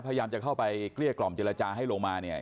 พยายามจะเข้าไปเกลี้ยกล่อมเจรจาให้ลงมาเนี่ย